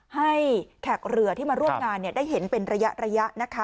แขกเรือที่มาร่วมงานได้เห็นเป็นระยะนะคะ